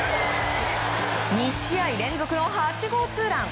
２試合連続の８号ツーラン。